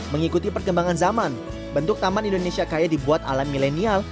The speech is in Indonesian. mengikuti perkembangan zaman bentuk taman indonesia kaya dibuat ala milenial